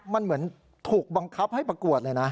มันเหมือนถูกบังคับให้ประกวดเลยนะ